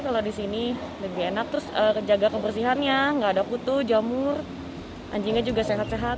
kalau disini lebih enak terus kejaga kebersihannya enggak ada kutu jamur anjingnya juga sehat sehat